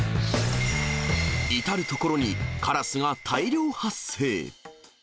至る所にカラスが大量発生。